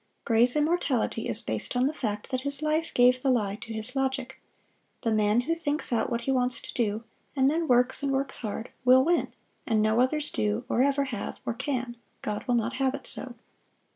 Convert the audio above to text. Gray's immortality is based upon the fact that his life gave the lie to his logic. The man who thinks out what he wants to do, and then works and works hard, will win, and no others do, or ever have, or can God will not have it so.